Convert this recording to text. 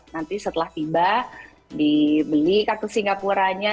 nanti setelah tiba dibeli kartu singapuranya